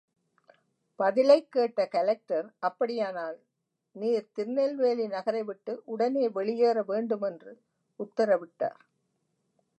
பதிலைக் கேட்ட கலெக்டர், அப்படியானால், நீர் திருநெல்வேலி நகரை விட்டு உடனே வெளியேற வேண்டும் என்று உத்தரவிட்டார்.